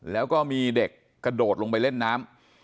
แล้วก็มีเด็กกระโดดลงไปเล่นน้ำ